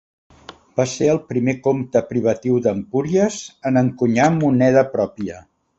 Va ser el primer comte privatiu d'Empúries en encunyar moneda pròpia.